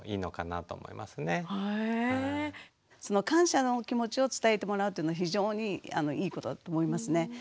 感謝の気持ちを伝えてもらうというのは非常にいいことだと思いますね。